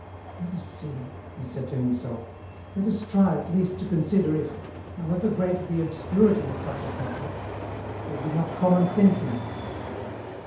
Let us see," he said to himself, " let us try at least to consider if, however great the obscurity of such a subject, there be not common sense in it.